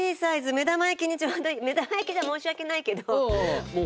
目玉焼きじゃ申し訳ないけど。